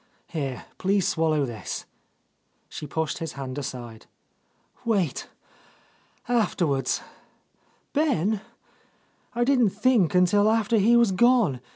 Here, please swallow this." She pushed his hand aside. "Wait. After wards. Ben? I didn't think until after he was gone.